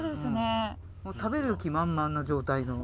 食べる気満々な状態の。